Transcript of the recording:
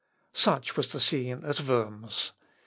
Such was the scene at Worms.